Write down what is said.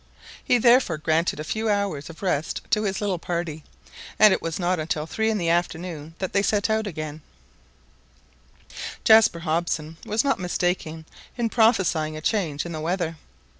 He therefore granted a few hours of rest to his little party, and it was not until three in the afternoon that they again set out. Jaspar Hobson was not mistaken in prophesying a change in the weather.